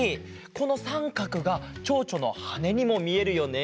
このさんかくがちょうちょのはねにもみえるよね。